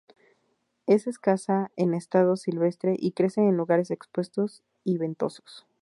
Es escasa en estado silvestre y crece en lugares expuestos y ventosos.